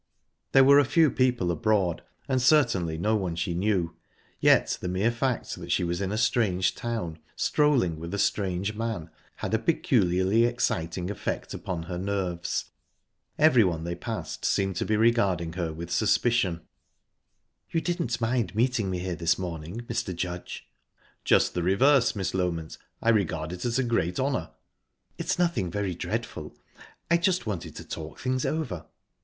There were a few people abroad, and certainly no one she knew, yet the mere fact that she was in a strange town, strolling with a strange man, had a peculiarly exciting effect upon her nerves. Everyone they passed seemed to be regarding her with suspicion. "You didn't mind meeting me here this morning, Mr. Judge?" "Just the reverse, Miss Loment. I regard it as a great honour." "It's nothing very dreadful. I just wanted to talk things over."